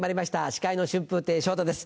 司会の春風亭昇太です